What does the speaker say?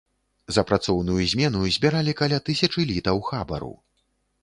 За працоўную змену збіралі каля тысячы літаў хабару.